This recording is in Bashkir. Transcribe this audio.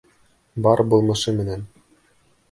Бар булмышы менән.